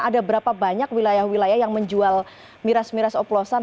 ada berapa banyak wilayah wilayah yang menjual miras miras oplosan